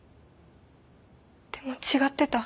でも違ってた。